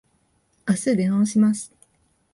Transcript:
あす出直します。